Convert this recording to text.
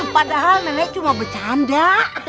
padahal nenek cuma bercanda